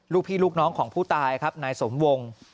ลูกพี่ลูกน้องของผู้ตายครับนายสมวง